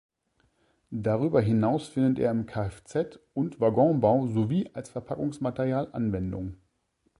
Darüber hinaus findet er im KfZ- und Waggonbau sowie als Verpackungsmaterial Anwendung.